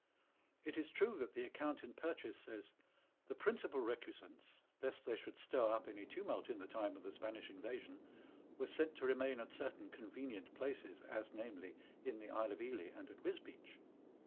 It is true that the account in Purchas says, " The principal recusants (lest they should stir up any tumult in the time of the Spanish invasion) were sent to remain at certain convenient places, as, namely, in the Isle of Ely and at Wisbeach."